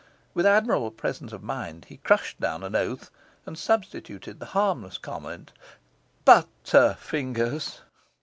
With admirable presence of mind he crushed down an oath and substituted the harmless comment, 'Butter fingers!